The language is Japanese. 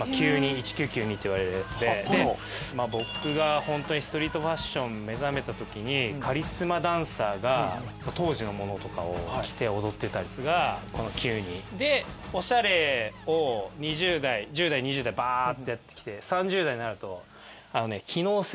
１９９２っていわれるやつでまぁ僕がホントにストリートファッション目覚めた時にカリスマダンサーが当時のものとかを着て踊ってたやつがこの９２。でおしゃれを２０代１０代２０代ばってやって来て３０代になるとあのね。